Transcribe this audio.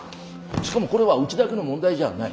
しかもこれはうちだけの問題じゃない。